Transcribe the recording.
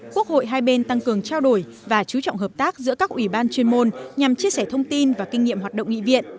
quốc hội hai bên tăng cường trao đổi và chú trọng hợp tác giữa các ủy ban chuyên môn nhằm chia sẻ thông tin và kinh nghiệm hoạt động nghị viện